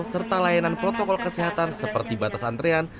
serta layanan protokol kesehatan seperti batas antrean